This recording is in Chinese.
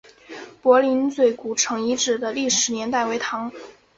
柏林嘴古城遗址的历史年代为唐。